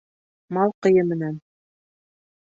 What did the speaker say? Мал ҡыйы менән